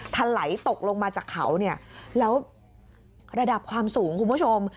ทันไหลตกลงมาจากเขาแล้วระดับความสูงคุณผู้ชม